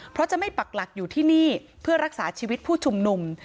เพราะจะไม่ปักหลักอยู่ที่นี่เพื่อรักษาชีวิตผู้ชุมนุม